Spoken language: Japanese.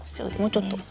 もうちょっと？